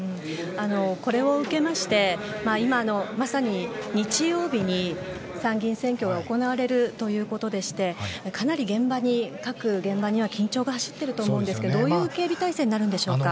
これを受けまして、まさに日曜日に参議院選挙が行われるということでしてかなり各現場には緊張が走っていると思うんですがどういう警備態勢になるんでしょうか？